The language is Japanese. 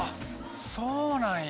そうなんや。